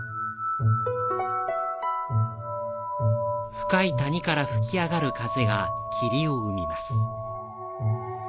深い谷から吹き上がる風が霧を生みます。